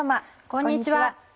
こんにちは。